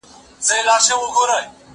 هغه څوک چي ليکلي پاڼي ترتيبوي منظم وي!